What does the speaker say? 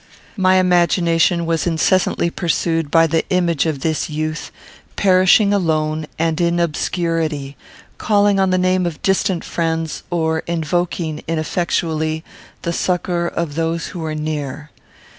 My imagination was incessantly pursued by the image of this youth, perishing alone, and in obscurity; calling on the name of distant friends, or invoking, ineffectually, the succour of those who were near.